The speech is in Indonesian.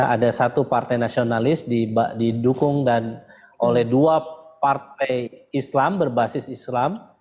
ada satu partai nasionalis didukung oleh dua partai islam berbasis islam